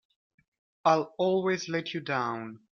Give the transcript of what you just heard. I'll always let you down!